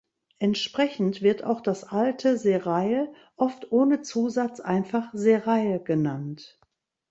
Entsprechend wird auch das Alte Serail oft ohne Zusatz einfach Serail genannt.